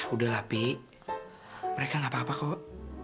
udah lah pi mereka gak apa apa kok